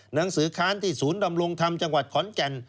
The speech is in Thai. หนังสือค้านที่ศูนย์ดำรงธรรมจังหวัดขอนแก่น